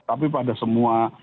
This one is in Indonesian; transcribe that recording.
tapi pada semua